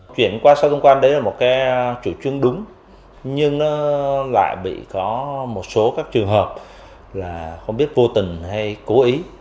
chuyển qua sau thông quan đấy là một cái chủ trương đúng nhưng nó lại bị có một số các trường hợp là không biết vô tình hay cố ý